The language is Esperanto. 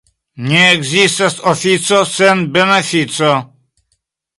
Ne ekzistas ofico sen benefico.